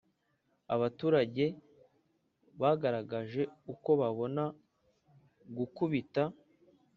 Abaturage bagaragaje uko babona gukubita